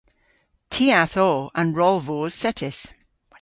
Ty a'th o an rol voos settys.